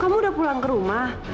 kamu udah pulang ke rumah